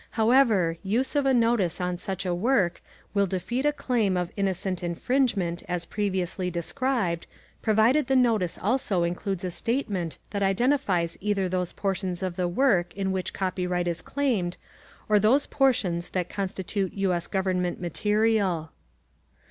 However, use of a notice on such a work will defeat a claim of innocent infringement as previously described provided the notice also includes a statement that identifies either those portions of the work in which copyright is claimed or those portions that constitute U. S. Government material.